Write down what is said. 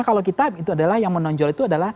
kalau kita itu adalah yang menonjol itu adalah